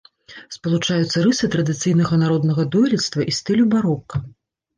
Спалучаюцца рысы традыцыйнага народнага дойлідства і стылю барока.